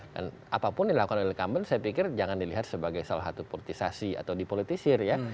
dan apapun dilakukan oleh incumbent saya pikir jangan dilihat sebagai salah satu politisasi atau dipolitisir ya